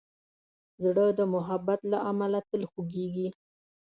زړه د محبت له امله تل خوږېږي.